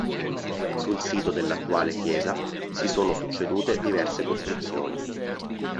Sul sito dell'attuale chiesa, si sono succedute diverse costruzioni.